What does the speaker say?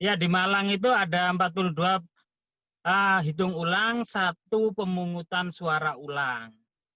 ya di malang itu ada empat puluh dua hitung ulang satu pemungutan suara ulang